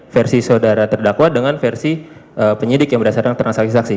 versi saudara terdakwa dengan versi penyidik yang berdasarkan transaksi saksi